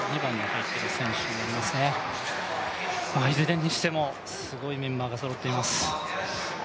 いずれにしても、すごいメンバーがそろっています。